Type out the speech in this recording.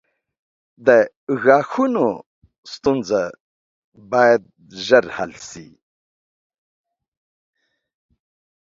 • د غاښونو ستونزه باید ژر حل شي.